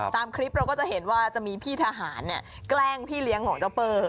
ตามคลิปเราก็จะเห็นว่าจะมีพี่ทหารเนี่ยแกล้งพี่เลี้ยงของเจ้าเปอร์